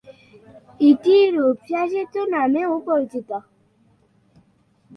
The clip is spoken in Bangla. এটি রূপসা সেতু নামেও পরিচিত।